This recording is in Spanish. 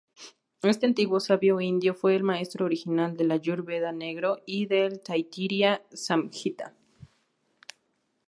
Este antiguo sabio indio fue el maestro original del "Iáyur-veda negro" y del "Taitiría-samjita".